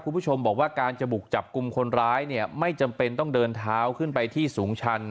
คุณผู้ชมบอกว่าการจะบุกจับกลุ่มคนร้ายเนี่ยไม่จำเป็นต้องเดินเท้าขึ้นไปที่สูงชัน